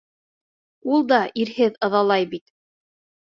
Ул да ирһеҙ ыҙалай бит.